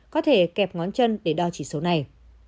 có thể kẹp ngón chân để đo chỉ số này